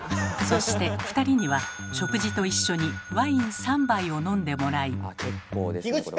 そして２人には食事と一緒にワイン３杯を飲んでもらい。